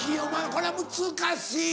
これは難しい。